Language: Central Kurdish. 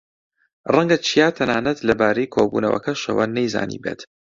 ڕەنگە چیا تەنانەت لەبارەی کۆبوونەوەکەشەوە نەیزانیبێت.